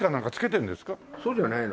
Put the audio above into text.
そうじゃないの。